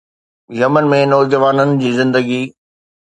Yemen ۾ نوجوانن جي زندگي